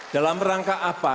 dalam rangka apa